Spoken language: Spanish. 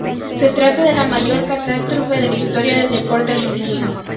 Se trata de la mayor catástrofe de la historia del deporte argentino.